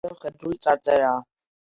ჯვარზე მხედრული წარწერაა.